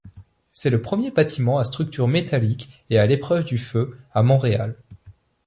C'est le premier bâtiment à structure métallique et à l'épreuve du feu à Montréal.